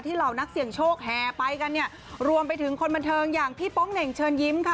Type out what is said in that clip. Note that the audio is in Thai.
เหล่านักเสี่ยงโชคแห่ไปกันเนี่ยรวมไปถึงคนบันเทิงอย่างพี่ป้องเหน่งเชิญยิ้มค่ะ